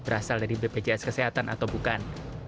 berasal dari bpjs kesehatan atau bukan